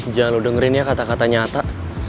jangan lo dengerin ya kata kata nyata